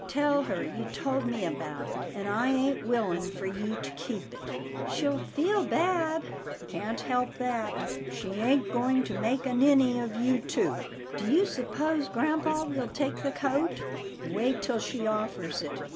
Tell her, you told me about it, and I ain't willing for you to keep it." " She'll feel bad." " Can't help that. She ain't going to make a ninny of you too." " Do you s'pose grampa will take the coat? " "Wait till she offers it.